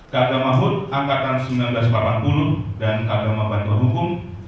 kagama hut angkatan seribu sembilan ratus delapan puluh dan kagama bantuan hukum